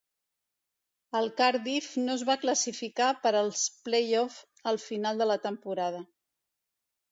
El Cardiff no es va classificar per als play-offs al final de la temporada.